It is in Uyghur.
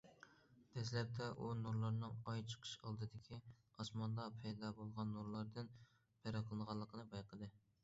دەسلەپتە ئۇ نۇرلارنىڭ، ئاي چىقىش ئالدىدىكى ئاسماندا پەيدا بولغان نۇرلاردىن پەرقلىنىدىغانلىقىنى بايقىدى.